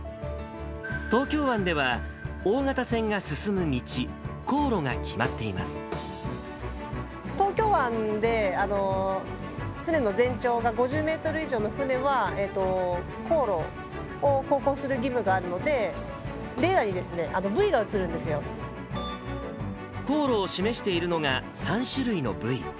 東京湾では、大型船が進む道、東京湾で、船の全長が５０メートル以上の船は、航路を航行する義務があるので、レーダーにですね、航路を示しているのが３種類のブイ。